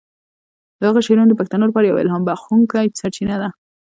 د هغه شعرونه د پښتنو لپاره یوه الهام بخښونکی سرچینه ده.